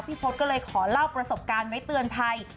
พี่พบต์ขอเล่าประสบการณ์ไว้เตือนไทย